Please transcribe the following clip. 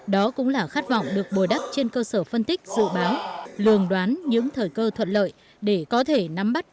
đó cũng là khát vọng được bồi đắp trên cơ sở phân tích dự báo lường đoán những thời cơ thuận lợi để có thể nắm bắt